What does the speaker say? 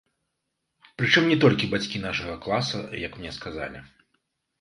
Прычым не толькі бацькі нашага класа, як мне сказалі.